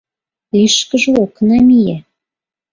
Лишкыже ок намие!